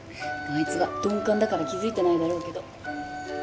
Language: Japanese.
あいつは鈍感だから気付いてないだろうけど。